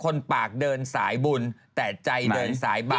คนปากเดินสายบุญแต่ใจเดินสายบา